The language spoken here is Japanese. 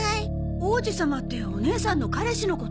王子様ってお姉さんの彼氏のこと？